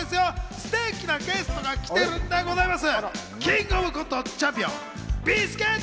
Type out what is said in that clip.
ステキなゲストが来てるんでございます。